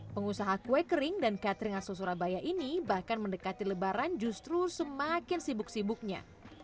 pengusaha kue kering dan catering asal surabaya ini bahkan mendekati lebaran justru semakin sibuk sibuknya